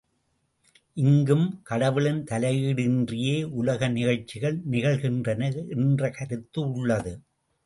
இங்கும் கடவுளின் தலையீடு இன்றியே உலக நிகழ்ச்சிகள் நிகழ்கின்றன என்ற கருத்து உள்ளது.